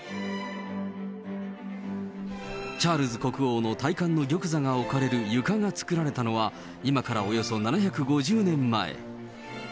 チャールズ国王の戴冠の玉座が置かれる床が作られたのは、今からおよそ７５０年前。